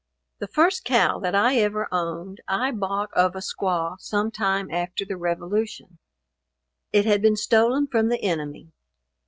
The first cow that I ever owned, I bought of a squaw sometime after the revolution. It had been stolen from the enemy.